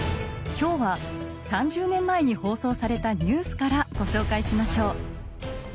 今日は３０年前に放送されたニュースからご紹介しましょう。